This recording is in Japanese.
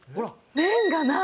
麺がない。